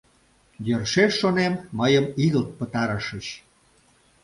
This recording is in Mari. Йӧршеш, шонем, мыйым игылт пытарышыч...